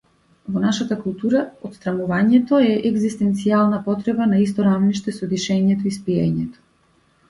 Во нашата култура, отсрамувањето е егзистенцијална потреба на исто рамниште со дишењето и спиењето.